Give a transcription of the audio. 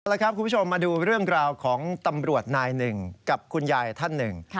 ละครับคุณผู้ชมมาดูเรื่องราวของตำรวจนายหนึ่งกับคุณยายท่านหนึ่ง